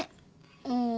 うん。